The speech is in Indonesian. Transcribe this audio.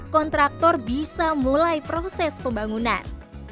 kontraktor bisa mulai proses pembangunan